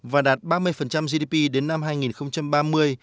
và đạt ba mươi gdp đến năm hai nghìn ba mươi